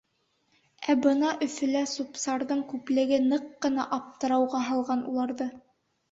Ә бына Өфөлә сүп-сарҙың күплеге ныҡ ҡына аптырауға һалған уларҙы.